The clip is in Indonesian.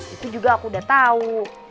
itu juga aku udah tahu